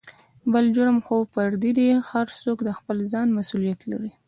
بل جرم خو فردي دى هر څوک دخپل ځان مسولېت لري.